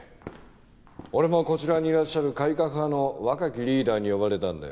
俺もこちらにいらっしゃる改革派の若きリーダーに呼ばれたんだよ。